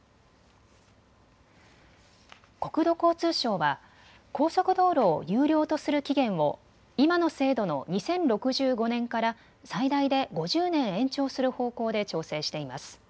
国土交通省は高速道路を有料とする期限を今の制度の２０６５年から最大で５０年延長する方向で調整しています。